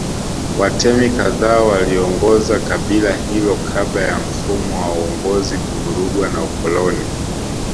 Watemi kadhaa waliongoza kabila hilo kabla ya mfumo wa uongozi kuvurugwa na ukoloni